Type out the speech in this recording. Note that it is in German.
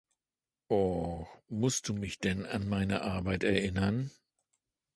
Och, musst du mich denn an meine Arbeit erinnern?